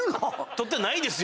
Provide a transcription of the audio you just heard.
取ってないですよ。